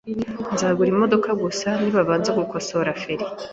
Nzagura imodoka gusa nibabanza gukosora feri.